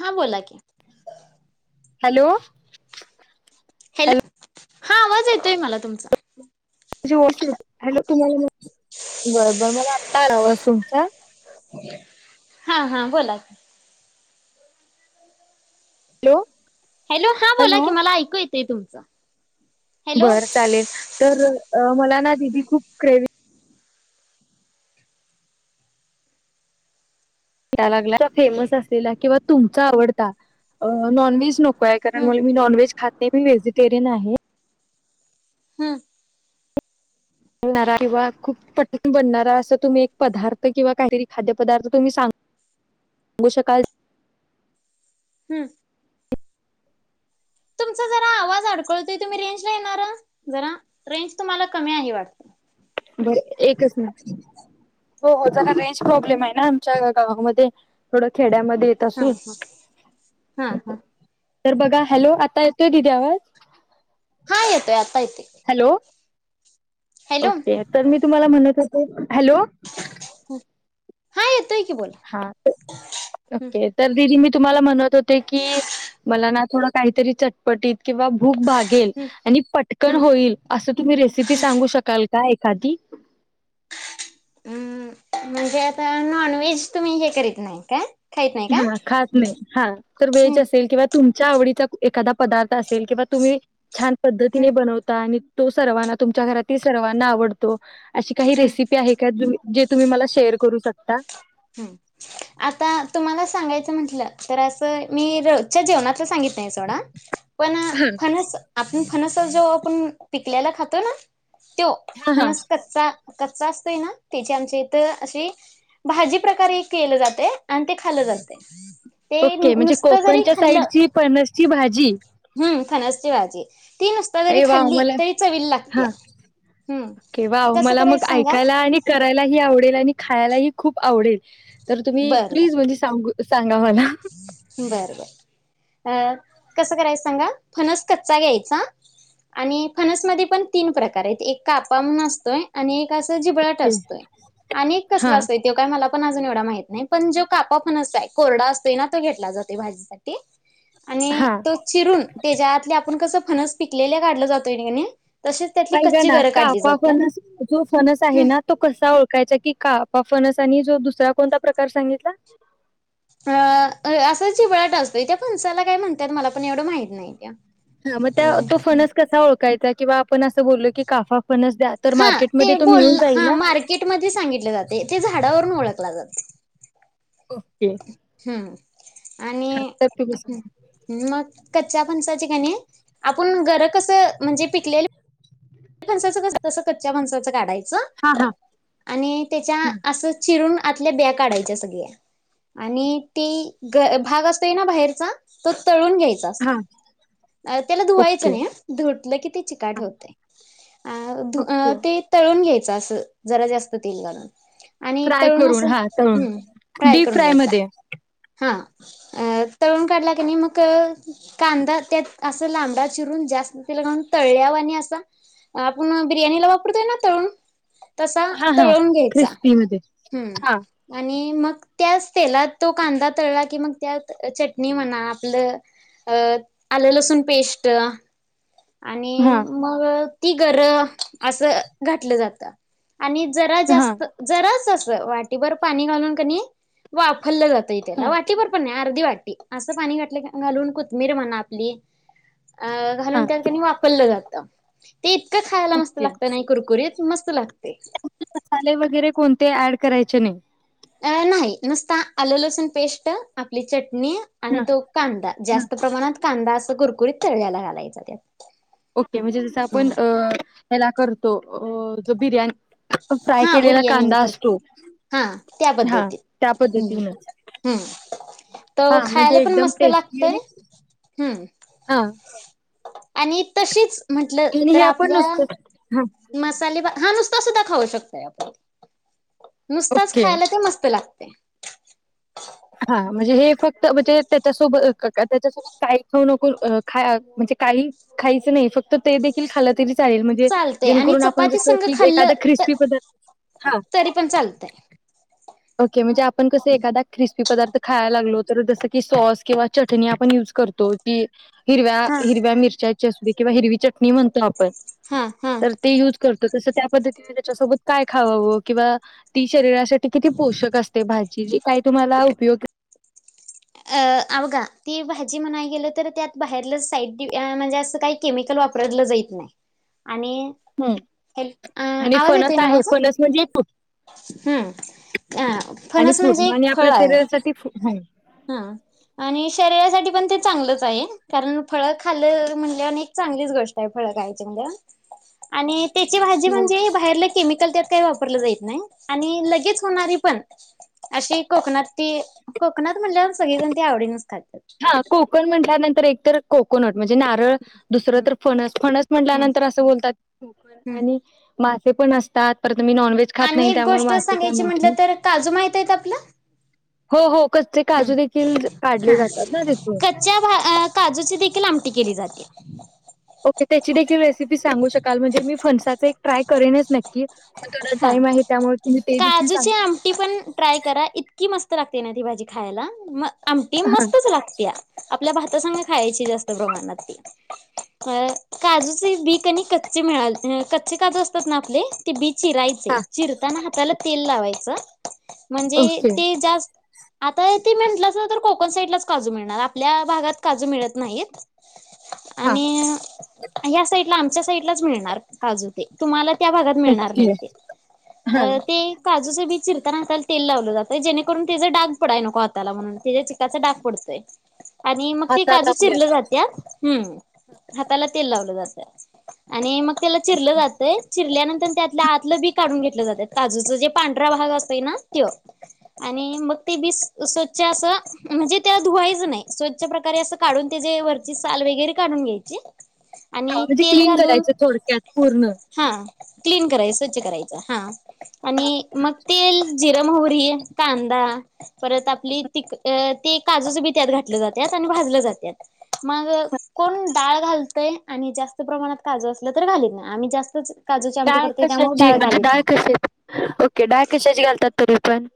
हा बोला की हॅलो हॅलो हा आवाज येतोय मला तुमचा म्हण हॅलो तुम्हाला बर बर मला आत्ता आला आवास तुमचा हा हा बोलाच हॅलो हॅलो हा बोला हॅलो कि मला ऐकू येत ते तुमचं हॅलो बर चालेल तर मला ना दीदी खूप क्रेविंग या लागला फेमस असलेला किं तुमचा आवडता अअअ नॉनव्हेज न काय कारण हम्म मी नॉनव्हेज खात ते मी व्हेजिटेरियन आहे हम्म किंवा खूप पटण बनणारा असं तुम्ही एक पदार्थ किंवा काहीतरी खाद्य पदार्थ तुम्ही सांग सांगू शकाल हम्म तुमचा जरा आवाज अडकळतोय तुम्ही रेंज ला येणार जरा रेंज तुम्हाला कमी आहे वाटत बरं एकच मिनिट थांबा हो हो जरा रेंज प्रॉब्लेम आहे आमच्या गावामध्ये थोडं खेड्यामध्ये येत हा असून हा हा हा तर बघा हॅलो आता येतोय दिदी आवाज हा येतोय आता येत हॅलो हॅलो ओके तर मी तुम्हाला म्हणत होतो हॅलो हा ये हा ओके तर दिदी मी तुम्हाला म्हणत होते की मला ना थोडं काहीतरी चटपटीत किंवा भूक भागेल हम्म आणि पटकन हम्म होईल असं तुम्ही रेसिपी सांगू शकाल काय एखादी म्हणजे आता नॉनव्हेज तुम्ही हे करत नाही काय खाईत नाही का हा खात नाही हा तर व्हेज हम्म असेल किंवा तुम च्या आवडीचा एखादा पदार्थ असेल किंवा तुम्ही छान हम्म पद्धतीने बनवता आणि तो सर्वांना तुमच्या घरात ती सर्वांना आवडतो. अशी काही हम्म रेसिपी आहे की जु जे तुम्ही मला शेअर करू शकता. आता तुम्हाला सांगायचं म्हटलं तर असं मी रोजच्या जेवणात सांगितलं पण हा फणस फणस जो आपण पिकल्याला खातो ना. तो हा हा. फणस कच्चा कच्चा असतोय ना त्याची आमच्या इथं अशी भाजी प्रकारे हे केलं जाते आणि ते खालं जाते ते ओके म्हणजे नुसतं जरी कोकणच्या साईटची फणसची भाजी हम् फणस ची भाजी ती नुसता जरी अ वाह खाल्ली मला तरी चवीला हा लागत्या हम्म ओके वाव कसं मला मग करायचं सांगा ऐकायला आणि करायलाही आवडेल आणि खायला ही खूप आवडेल. तर तुम्ही प्लीज म्हणजे सांगु सांगा म्हला. बरं बरं, अ कसं करायच सांगा फणस कच्चा घ्यायचा आणि फणसमध्ये पण तीन प्रकार आहेत एक कापा म्हणून असतोय आणि एक अस तो जिबळाट असतोय, आणि कसला हां, असते तो काय मला पण अजून एवढा माहित नाही पण जो कापा फणस आहे तो कोरडा असतोय ना तो घेतला जातो भाजीसाठी. आणि हां. तो चिरून त्याच्यात आपण कसं फणस पिकलेल्या काढलं जातोय की नाही. ऐका ना कापा फणस जो फणस आहे हम्म ना तो कसा ओळखायचा की कापा फ फणस आणि जो दुसरा कोणता प्रकार सांगितला. अ असं चिवळाट असतो त्या फणसाला काय म्हणतात मला पण एवढं माहित नाही त्या. हा मग त्या तो अ फणस कसा ओळखायचा? किंवा आपण असं बोललो की काफा हा ते बोल हा ना? मार्केटमध्ये सांगितले जाते ते झाडावरून ओळखला जातो. ओके. हम्म. हां, आणि तर तुम्ही सांगा. मग. कच्च्या फणसाची कणी आपण गर कसं म्हणजे पिकलेलं फणसाचं कस तसं कच्च्या फणसाचं काढाय हां, चं. हां. आणि त्याच्या हां, अस चिरून आतल्या ब्या काढायच्या सगळ्या आणि ती भाग असतोय ना बाहेरचा तो तळून घ्यायचा हां. त्याला धुवायच ओके. नाही धुतलं की ते चिकाट हां, होते. अ धु अ ओके. ते तळु न घ्यायचं अस जरा जास्त तेल घालून. आणि फ्राय तरळुण अस करून हां, तळून. हम्म फ्राय डीप करून घ्यायचा फ्रायमध्ये. हा. अ तळून काढला क नाही मग कांदा त्यात असं लांबडा चिरून जास्त तेल घालुन तळल्यावानी असा आपण बिर्याणीला वापरतोय ना तळुन तसा हा हा तळून घ्यायचा क्रिस्पी मध्ये हा हम्म आणि मग मग त्याच तेलात तो कांदा तळला की मग त्यात चटणी म्हणा आपलं आलं लसून पेस्ट आणि हा मग ती गर असं घातलं जातं. आणि जरा हा जास्त जराच अस वाटीभर पाणी घालून वा खाल्लं जातंय हा त्याला वाटीभर पण नाही आ अर् वाट अस पाणी घालून कोथमीर म्हणा आपली अ हा हलूनंत पल्लं जात ते इतकं खायला मस्त ओके लागतं नाही कुरकुरीत मस्त लागते मसाले वगैरे कोणते ते ॲड करायचे नाही अ नाही नुसता आलं लसण पेस्ट आपली चट म आणि हा तो कांदा हा जास्त प्रमाणात कांदा अस कर गुरतर व घयला घालायचा त्यात ओके म्हणजे जस हा आपण ह्याला करतो अ ज बिर्याणी फ्राय हा केलेला बुरयाणी कांदा ल असतो हा त्या हा पद्धतीत त्या ह् पद्धतीनं हम् तर हा खायला म्हणजे पण एकदम मस्त टेस्टी लागतय आणि हम् हा आणि तशीच म्हंटलं आणि तर हे आपण आपल्या नुसतं हा मसाले हा नुसत तसद्धा खाऊ शकतय आपण नुसताच ओके खायला ते मस्त लागते हा म्हणजे हे फक्त म्हणजे त्याच्यासोबत त्याच्यासोबत काही खेऊ नको ख म्हणजे काही खायचं नाही फक्त ते देख खा तरी म्हणजे चालते आणि जेणेून आप चपाती ज संघ एखा खाल्लं त क्रिस्पी प् ह तरी पण चालतय म्हणजे आपण कस एखादा क्रिस्पी पदारथ खायला लागलो तर जसं की सॉस किंवा चटणी आपण युज करतो की हिरव्या हा हिरव्या मिरच्या किंवा हिरवी चटणी म्हणतो आपण हा हा तर ते युज करत तस त्या पद्धतीने त्याच्यासोबत काय खावावं किंवा ती शरीरासाठी किती पोषक असते भाजी जी काय तुम्हाला उपयोग अ अवघा ती भाजी म्हणाय गेलं तर त्यात बाहेर साईड म्हणजे असं काही केमिकल वापरलं जात नाही आणि हम्म हे आणि आवाज फणस येतोय ना आहे माझ फणस म्हणजे एक हम् अ आणि फनस फ्रूट म्हणजे एक आणि फळ आपल्या आहे शरीरासाठी फ्रू- हा आणि शरीरासाठी खालं म्हण अ एक चांगलीच गोष्ट आहे फळ खायची म्हणज आणि त्याची भाजी हो. म्हणजे बाहेरला केमिकल त्यात काय वापर आणि लगेच होणारे पण अशी कोकणात कोकात म्हणल्या सगळी जण ते आवडेनच खली हा कोकण म्हटल्यानंतर एक तर कोकोनट म्हणजे नारळ दुसरं हम्म तर फणस फणस हम्म म्हटल्यानंतर असं बोलतात हम्म आणि मासे पण असतात परत मी नॉनव्हेज खात आणि नाही एक त्यामुळे गोष्ट मासे काय सांगायची माहित नाही म्हटलं तर काजू माहित आहेत आपलं? हो हो कच्चे ह काजू देखील काढले हा जातात ना तिथून कच्च्या काजूची देखील आमटी केली जाती. ओके त्याची देखील रेसिपी सांगू शकाल म्हणजे मी फनसाचा एक ट्राय करेनच नक्की. पण थोडा हा टाइम आहे त्यामुळे तुम्ही ते देखील काजूची सांगू आमटी पण ट्राय करा इतकी मस्त लागते ना ती भाजी खायला मग आमटी हा मस्तच लागतीया. आपल्या भातासंग खायची जास्त प्रमाणात काजूचे बी अभिनय आणि कच् मिळा कच् काजू असतात ना आपले बी चिरायचे हा चिरताना त्याला तेल लावायचं. म्हणजे ओके ते जास्त आता त म्हटलंस तर कोकण साईडलाच काजू मिळणार आपल्या भागात काजू मिळत नाहीत. हा आणि या साईड ला आमच्या साईड लाच मिळणार काजू ते तुम्हाला त्या भागात मिळणार ओके नाही हा अ ते का स मी चिरता हाताला तेल लावलं जातं जेणेकरून त्याचा डाग पडाय नको हाताला म्हणून त्याच्या चिकाचा डाग पडतय. आणि मग ते हातात काजू आपल्या चिरले जातात. हम्म हाताला तेल लावलं जातं आणि मग त्याला चिरलं जातंय चिरल्यानंतर त्यातलं आतलं बी काढून घेतले जाते काजूचा जो पांढरा भाग असतोय तो आणि मग ते बी स्वच्छ असं म्हणजे त्याला धुवायचं नाही स्वच्छ प्रकारे असं काढून त्याची वरची साल वगैरे काढून घ्यायची. हा आणि म्हणजे तेल क्लीन घालून करायचं थोडक्यात पूर्ण. हा क्लीन करायचंच स्वच्छ करायचं हा. आणि मग ते जिरमोहरी, कांदा परत आपली त ते काजूच बी त्यात घातलं जातात आणि भाजले जातात. मग कोण डाळ घालत आणि जास्त प्रमाणात काजू असलं तर घालीत ना आम्ही जास्तच काजू ची आमटी डाळ त्यामुळे कशाची म्हणजे घालीत डाळ नाही कशीची ओके डाळ कशाची घालता? तरी पण.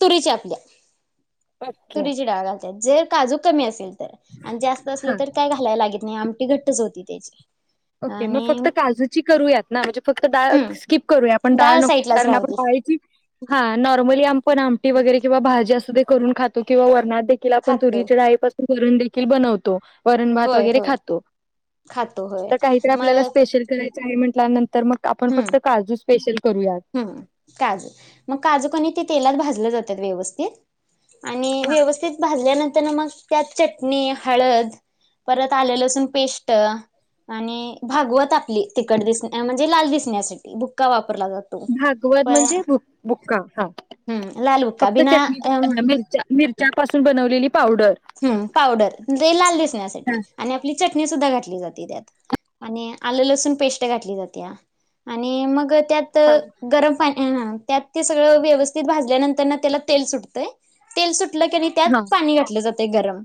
तुरी चपल्या ओके तुरीचिडाळ घालतात जे काजू कमी असेल ते आणि जास्त असलं हा तर काय घालायला लागत नाही आमटी घटच होती तेच ओके मग फक्त काजूची करूयात ना म्हणजे फक्त डाळ हम्म स्किप करूया आपण डाळ नक साईडलाच कारण राहू आपण दे डाळची हा नॉर्मली पण आमटी वगैरे किंवा भाजी असदे करून खातो किं वर् आपण तुरी खातोय डाईपासून पुरणण देखील बनवतो वरण भात होय वगैरे होय खातो खातो होय काहीत मग आपल्याला स्पेशल करायचं आहे म्ह ंत [inaudible] तर मग आपण फक्त काजू स्पेशल करू ह् काजू मग काजू कोणी ते तेलात भाज जातात व्यवस्थित आणि व्यवस्थित भाजल्यानंतर मग त्यात चटणी हळद परत आलेल असून पेस्ट आणि भागवत आपली तखट दिस म्हणजे लाल दिसण्यासाठी भुक्का वापरला जातो भागवत प म्हणजे भुक्का हा हम्म लाल बुक्का फक्त बिना चटणी मिरच्या मिर च्यापासून बनवलेली पावडर हम पावडर म्हे लाल हा दिसण्यासाठी आणि आपली चटणी सुद्धा घात आणि आल लसूण पेस्ट घातली जातीया आणि मग त्यात हा गरम पाणी आ त्यात ते सगळं व्यवस्थित भाजल्यानंतर त्याला तेल सुटतंय तेल सुट घातल आणि की त्यात हा पाणी घातलं जात ते गरम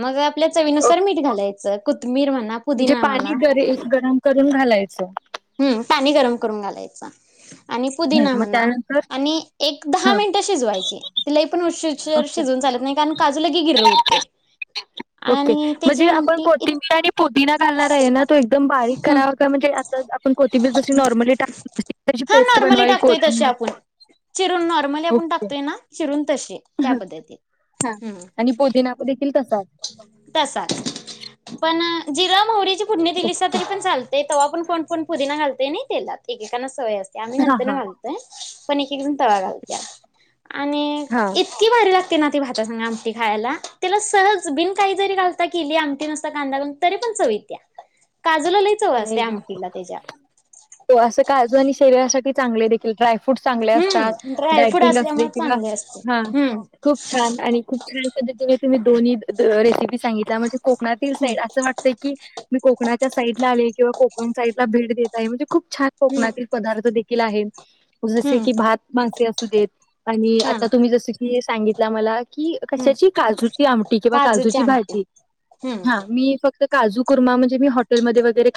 मग आपल्या चवीनुसार ओके मीठ घालायच कुथमीर म्हणा म्हणजे पुदिना म्हणा पाणी गर गरम करून घालायचं ह पाणी गरम करून घालायचा आणि हं, पुदिना मग म्हणा त्यानंतर आणि एक दहा हा मिनिटं शिजवायची ति लय पण ओके शिजून चालत नाही कारण काजू लगी गिरंत ओके म्हणजे आपण आमटी इत कोथिंबीर आणि पुदिना घालणार आहे ना तो एकदम बारीक हं करावा का म्हणजे आता आपण कोथिंबीर जशी नॉर्मली टाक त्याची हा पेस्ट नॉर्मली बनवावी टाकतोय तसे कोथिंबीर आपण चिरून आपण ओके टकतोय चिरून तसे त्या हा हा. पद्धतीत हम् आणि पुदिना देखील तसाच तसाच जीरा म्हावरी फुडणी दिलीसा ओके तरी पण चालतंय तवा पण पुदिना घालतंय ना तेलात होय असते आम्ही हा नंतर न हा घालतोय तळा घालती आणि हा इतकी भारी लागते ना ती भ त्याच्या संग आमटी खायाला त्याला सहज बिन काही जरी घालता केली आमटी नुसता कांदा ब तरी पण चवित्या काजूला लय चव नाही असते ग अमठीला त्याज्या यासाठी चांगले देखील ट्राय फूड चांगले असतात हम्म ड्रायफ्रूट डायटिंग असुदे असल्यामुळे किंवा चांगले असते हा हम्म खूप छान आणि खूप छान पद्धतीने तुम्ही दोनही रेसिपी सांगित म्हणजे कोकणातील हम्म साईड असं वाटतं की मी कोकणाच्या साईड लाले किंवा कोकण साईइडला भेट देत आहे म्हणजे खूप छान हम्म कोकणातील पदार्थ आहे जसे हम्म की भात माणसे असू देत आणि हा आता तुम्ही जसे सांगितला मला कि हम्म कशाची काजूची आमटी किंवा काजूची भाजी हम्म हा मी फक्त काजू कुर्मा म्हणजे हॉटेल क घरी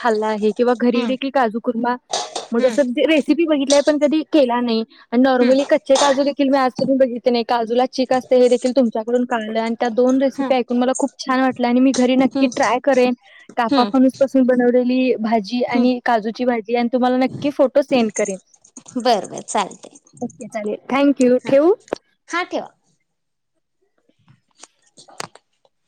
हम्म काुणे हम्म बघितय पण कधी केला नाही आणि हम्म नॉर्मली कच्चे काजू देखील म तून बघीतने काजूला चचीक असते हे देखील तुमच्याकडून कल्या त्या दोन हम्म रेसिपी ऐकून मला खूप छान वाटल्या आणि मी घरी नक्की ट्राय करेन काफ हम्म फनूस [unintelligible] भाजी हम्म आणि काजूची भाजी आणि तुम्हाला नक् फोटो सेंड करेन बर बर चालते ओके चालेल थँक्यू हा ठेव. हा ठेवा [unintelligible]